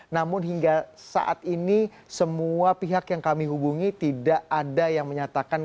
namun hingga saat ini semua pihak yang kami hubungi tidak ada yang menyatakan